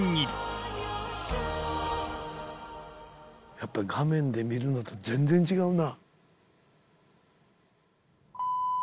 やっぱり画面で見るのと全然違うな。